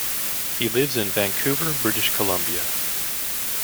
He lives in Vancouver, British Columbia.